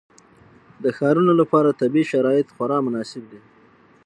د ښارونو لپاره طبیعي شرایط خورا مناسب دي.